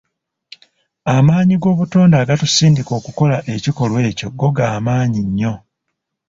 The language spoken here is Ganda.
Amaanyi gobutonde agatusindika okukola ekikolwa ekyo go gamaanyi nnyo.